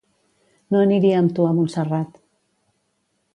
No aniria amb tu a Montserrat.